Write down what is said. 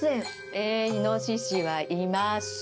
えイノシシはいます。